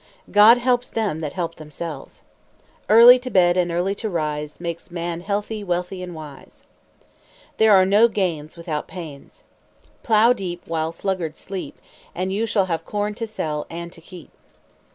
"God helps them that help themselves." "Early to bed and early to rise, Makes a man healthy, wealthy, and wise." "There are no gains without pains." "Plow deep while sluggards sleep, And you shall have corn to sell and to keep."